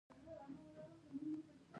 دا د خونخوارو ریاستونو مهمه وسیله ده.